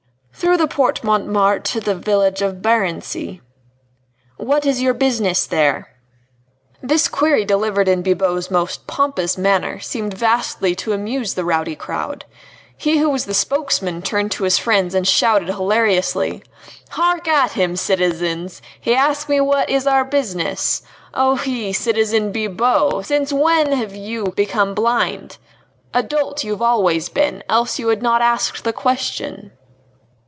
"Through the Porte Montmartre to the village of Barency." "What is your business there?" This query delivered in Bibot's most pompous manner seemed vastly to amuse the rowdy crowd. He who was the spokesman turned to his friends and shouted hilariously: "Hark at him, citizens! He asks me what is our business. Oh, citizen Bibot, since when have you become blind? A dolt you've always been, else you had not asked the question."